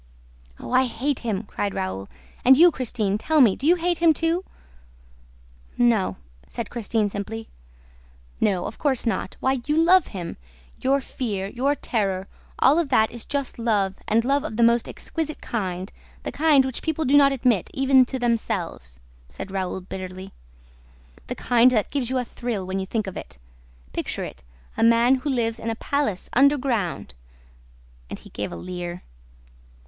"Oh, I hate him!" cried Raoul. "And you, Christine, tell me, do you hate him too?" "No," said Christine simply. "No, of course not ... Why, you love him! Your fear, your terror, all of that is just love and love of the most exquisite kind, the kind which people do not admit even to themselves," said Raoul bitterly. "The kind that gives you a thrill, when you think of it... Picture it: a man who lives in a palace underground!" And he gave a leer.